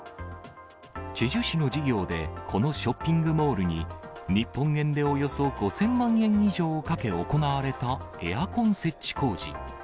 チェジュ市の事業で、このショッピングモールに、日本円でおよそ５０００万円以上をかけ行われたエアコン設置工事。